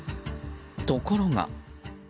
ところが。